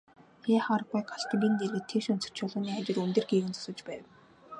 Яах аргагүй Галдангийн дэргэд тэгш өнцөгт чулууны хажууд өндөр гэгээн зогсож байв.